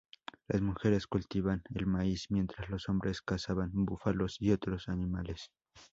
Las mujeres cultivaban el maíz mientras los hombres cazaban búfalos y otros animales.